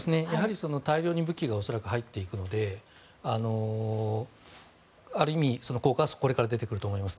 大量に武器が恐らく入っていくのである意味、効果はそこから出てくると思います。